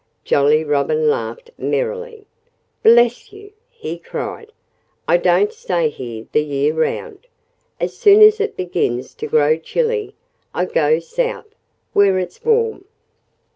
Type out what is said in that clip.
Jolly Robin laughed merrily. "Bless you!" he cried. "I don't stay here the year 'round. As soon as it begins to grow chilly I go South, where it's warm."